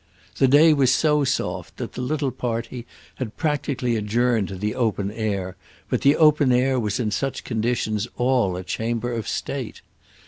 The day was so soft that the little party had practically adjourned to the open air but the open air was in such conditions all a chamber of state.